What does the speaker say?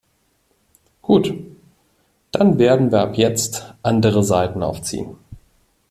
Gut, dann werden wir ab jetzt andere Saiten aufziehen.